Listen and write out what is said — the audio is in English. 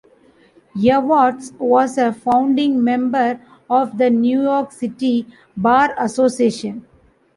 Evarts was a founding member of the New York City Bar Association.